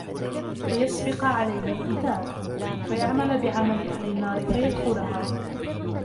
فَيَسْبِقَ عَلَيْهِ الْكِتَابُ، فَيَعْمَلَ بِعَمَلِ أَهْلِ النَّارِ فيَدْخُلَهَا